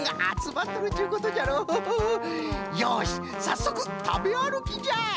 よしさっそくたべあるきじゃ！